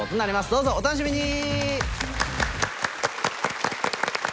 どうぞお楽しみに！